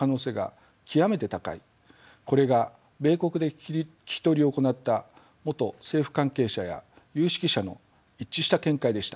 これが米国で聞き取りを行った元政府関係者や有識者の一致した見解でした。